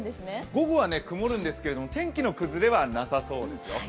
午後は曇るんですけれども天気の崩れはなさそうですよ。